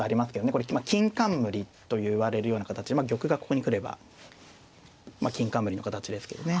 これまあ金冠といわれるような形でまあ玉がここに来れば金冠の形ですけどね。